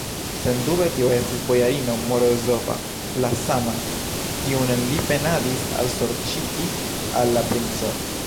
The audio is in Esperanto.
Sendube, tio estis bojarino Morozova, la sama, kiun li penadis alsorĉigi al la princo.